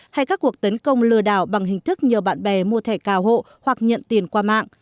hay các cuộc tấn công lừa đảo bằng hình thức nhờ bạn bè mua thẻ cào hộ hoặc nhận tiền qua mạng